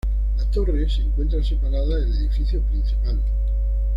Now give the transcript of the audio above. La torre se encuentra separada del edificio principal.